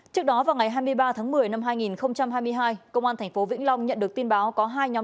trước đó vào ngày hai mươi ba tháng một mươi năm hai nghìn hai mươi hai công an tp vĩnh long nhận được tin báo có hai nhóm